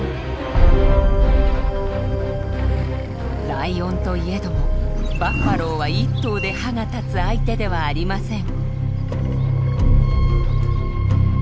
ライオンといえどもバッファローは１頭で歯が立つ相手ではありません。